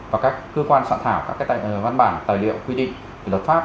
và các cơ quan soạn thảo các văn bản tài liệu quy định về luật pháp